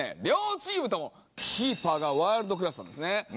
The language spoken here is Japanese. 両チームともキーパーがワールドクラスなんですね。